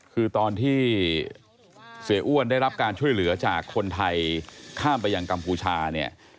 คือตอนที่เสียอ้วนได้รับการช่วยเหลือจากคนไทยข้ามไปยังกัมพูชาเนี่ย